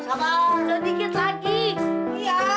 suat waktir tapi gak bisa